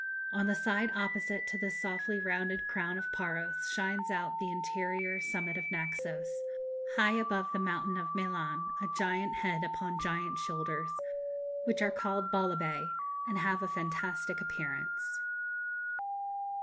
On the side opposite to the softly rounded crown of Paros shines out the interior summit of Naxos, high above the mountain of Melanès, a giant head upon giant shoulders, which are called Bolibay, and have a fantastic appearance.